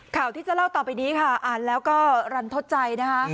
ข่าวที่จะเล่าต่อไปนี้ค่ะอ่านแล้วก็รันทดใจนะคะ